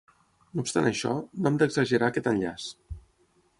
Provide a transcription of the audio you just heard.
No obstant això, no hem d'exagerar aquest enllaç.